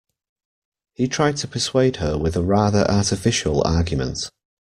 He tried to persuade her with a rather artificial argument